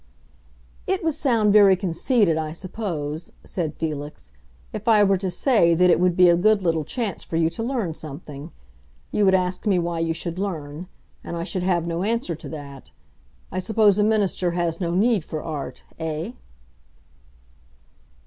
"It would sound very conceited, I suppose," said Felix, "if I were to say that it would be a good little chance for you to learn something. You would ask me why you should learn; and I should have no answer to that. I suppose a minister has no need for Art, eh?"